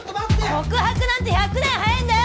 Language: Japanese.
告白なんて１００年早えんだよ！